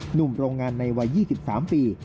หนุ่มโรงงานในวัย๒๓ปี